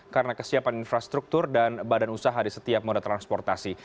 karena kesiapan infrastruktur dan badan usaha di setiap moda transportasi